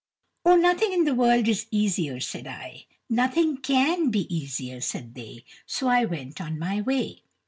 "Oh, nothing in the world is easier," said I. "Nothing can be easier," said they: so I went on my way.